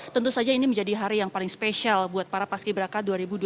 tentu saja ini menjadi hari yang paling spesial buat para paski beraka dua ribu dua puluh